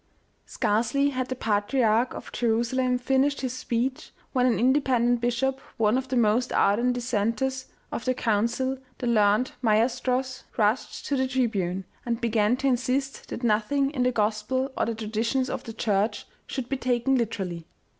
Scarcely had the patriarch of Jerusalem finished his speech, when an independent bishop, one of the most ardent dissenters of the council, the learned Mayerstross, rushed to the tribune, and began to insist that noth ing in the Gospel, or the traditions of the Church, should be taken literally.